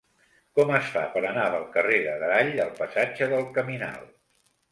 Com es fa per anar del carrer d'Adrall al passatge del Caminal?